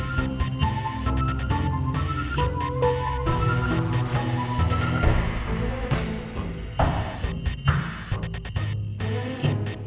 gue gak bisa tidur